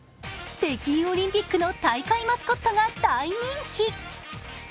北京オリンピックの大会マスコットが大人気。